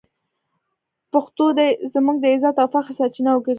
پښتو دې زموږ د عزت او فخر سرچینه وګرځي.